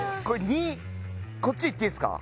２こっちいっていいですか？